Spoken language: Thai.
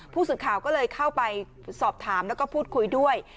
ผู้สื่อข่าวก็เลยเข้าไปสอบถามแล้วก็พูดคุยด้วย